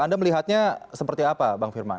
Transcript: anda melihatnya seperti apa bang firman